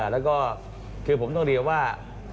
แล้วก็คือผมต้องเรียกว่า